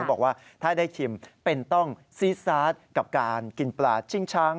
บอกว่าถ้าได้ชิมเป็นต้องซีซาสกับการกินปลาชิงช้าง